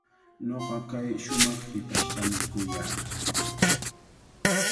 Ñuqa kay shumaq hipashtami kuyaa.